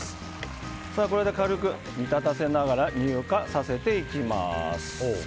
これで軽く煮立たせながら乳化させていきます。